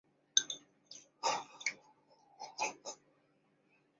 出生于犹他州盐湖城在密歇根州底特律长大。